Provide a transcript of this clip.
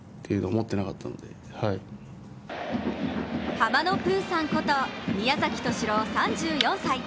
ハマのプーさんこと、宮崎敏郎４３歳。